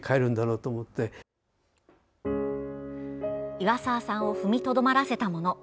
岩沢さんを踏みとどまらせたもの。